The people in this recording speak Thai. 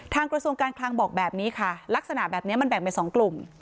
กระทรวงการคลังบอกแบบนี้ค่ะลักษณะแบบนี้มันแบ่งเป็น๒กลุ่ม